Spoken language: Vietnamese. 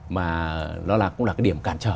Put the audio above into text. mà nó cũng là điểm cản trở